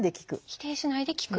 否定しないで聞く。